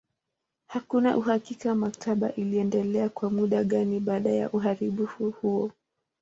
Hakuna uhakika maktaba iliendelea kwa muda gani baada ya uharibifu huo.